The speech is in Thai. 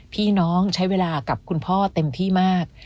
พี่น้องใช้เวลากับคุณพ่อเต็มที่มาก